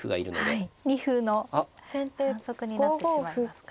はい二歩の反則になってしまいますからね。